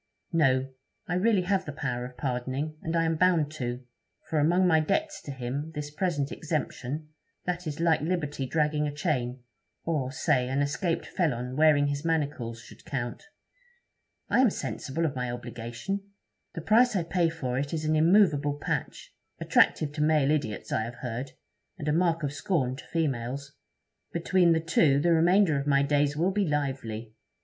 'No; I really have the power of pardoning, and I am bound to; for among my debts to him, this present exemption, that is like liberty dragging a chain, or, say, an escaped felon wearing his manacles, should count. I am sensible of my obligation. The price I pay for it is an immovable patch attractive to male idiots, I have heard, and a mark of scorn to females. Between the two the remainder of my days will be lively.